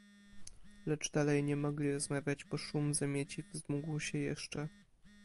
"Lecz dalej nie mogli rozmawiać, bo szum zamieci wzmógł się jeszcze."